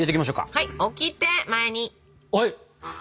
はい！